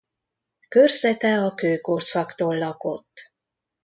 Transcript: Körzete a kőkorszaktól lakott.